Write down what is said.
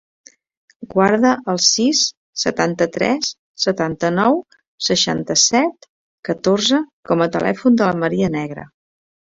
Guarda el sis, setanta-tres, setanta-nou, seixanta-set, catorze com a telèfon de la Marina Negre.